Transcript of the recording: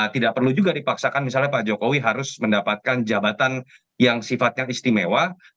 tidak perlu juga dipaksakan misalnya pak jokowi harus mendapatkan jabatan yang sifatnya istimewa